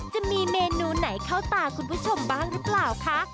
จะมีเมนูไหนเข้าตาคุณผู้ชมบ้างหรือเปล่าคะ